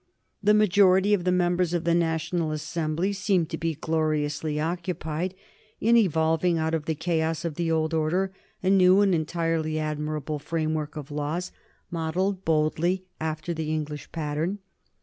The majority of the members of the National Assembly seemed to be gloriously occupied in evolving out of the chaos of the old order a new and entirely admirable framework of laws modelled boldly after the English pattern.